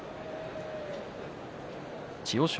千代翔